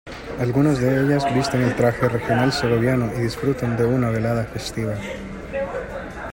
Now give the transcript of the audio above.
Algunas de ellas, visten el traje regional segoviano y disfrutan de una velada festiva.